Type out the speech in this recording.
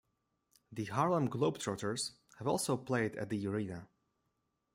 The Harlem Globetrotters have also played at the arena.